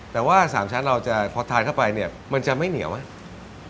แต่ว่า๓ชั้นเราจะพอทานเข้าไปเนี่ยมันจะไม่เหนียวไหม